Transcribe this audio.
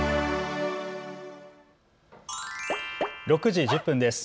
６時１０分です。